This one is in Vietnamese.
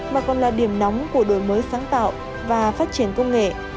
mà còn là điểm nóng của đổi mới sáng tạo và phát triển công nghệ